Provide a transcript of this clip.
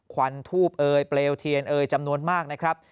ควันทูบเอยเปลวเทียนเอยจำนวนมากนะครับ